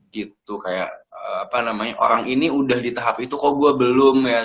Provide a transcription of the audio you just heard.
gitu kayak apa namanya orang ini udah di tahap itu kok gue belum ya